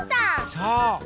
そう。